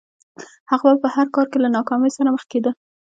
هغه به په هر کار کې له ناکامۍ سره مخ کېده